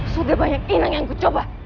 sudah banyak inang yang kucoba